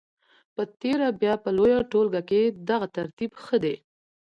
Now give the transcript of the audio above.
په تېره بیا په لویه ټولګه کې دغه ترتیب ښه دی.